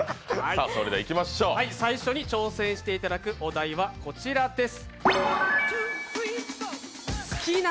最初に挑戦していただくお代はこちらです。